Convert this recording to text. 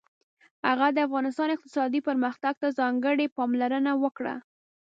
هغه د افغانستان اقتصادي پرمختګ ته ځانګړې پاملرنه وکړه.